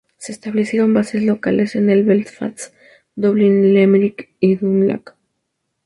Se establecieron bases locales en Belfast, Dublin, Limerick y Dundalk.